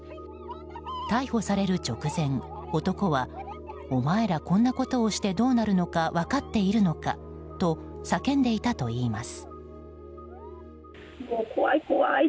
逮捕される直前、男はお前ら、こんなことをしてどうなるのか分かっているのか？と叫んでいたといいます。